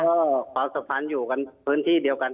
ก็ความสัมพันธ์อยู่กันพื้นที่เดียวกัน